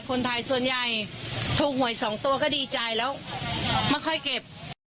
คนไทยส่วนใหญ่ถูกหวย๒ตัวก็ดีใจแล้วไม่ค่อยเก็บ